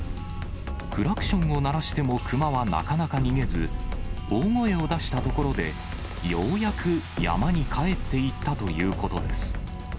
クラクションを鳴らしてもクマはなかなか逃げず、大声を出したところで、ようやく山に帰っていったということです。